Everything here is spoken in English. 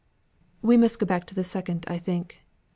"We must go back to the second, I think.